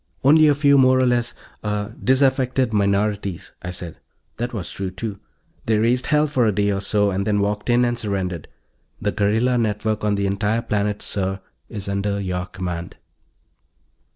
"Only a few more or less ... ah ... disaffected minorities," I said. That was true, too. "They raised hell for a day or so, then walked in and surrendered. The guerrilla network on the entire planet, sir, is under your command."